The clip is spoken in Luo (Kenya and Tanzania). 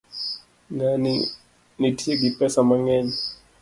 Ngani nitie gi pesa mangeny